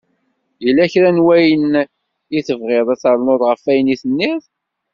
Yella kra n wayen i tebɣiḍ ad d-ternuḍ ɣef ayen i d-nniɣ?